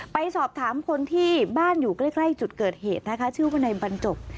ไปสอบถามคนที่บ้านอยู่ใกล้จุดเกิดเหตุนะคะชื่อว่าในบรรจบ